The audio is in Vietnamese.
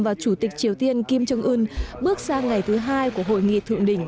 và chủ tịch triều tiên kim trương ưn bước sang ngày thứ hai của hội nghị thượng đỉnh